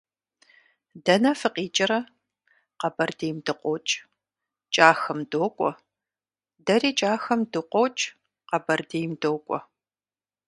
- Дэнэ фыкъикӀрэ? - Къэбэрдейм дыкъокӀ, КӀахэм докӀуэ. - Дэри КӀахэм дыкъокӀ, Къэбэрдейм докӀуэ.